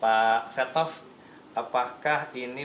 pak setof apakah ini